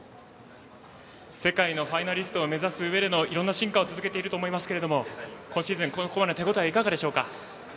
世界のファイナリストを目指すうえでいろいろな進化を続けていると思いますが今シーズンの手応えはいかがでしょうか？